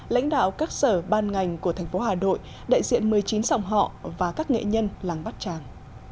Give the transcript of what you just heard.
lãnh đạo các sở ban ngành của thành phố hà nội đại diện một mươi chín sòng họ và các nghệ nhân làng bát tràng